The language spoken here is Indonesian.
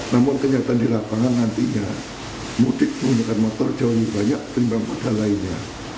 namun kenyataan di lapangan nantinya mudik menggunakan motor jauh lebih banyak ketimbang muda lainnya